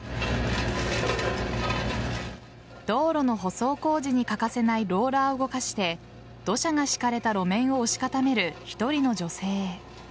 道路の舗装工事に欠かせないローラーを動かして土砂が敷かれた路面を押し固める１人の女性。